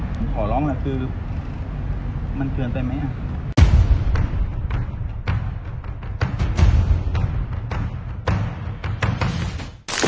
ผมขอร้องแหละคือมันเกินไปไหมอ่ะ